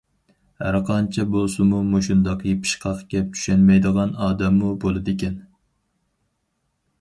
ھەرقانچە بولسىمۇ مۇشۇنداق يېپىشقاق گەپ چۈشەنمەيدىغان ئادەممۇ بولىدىكەن.